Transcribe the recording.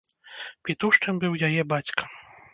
Пітушчым быў яе бацька.